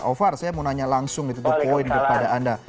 aufar saya mau nanya langsung itu poin kepada anda